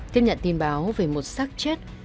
tiếp nhận tin báo về một sát chết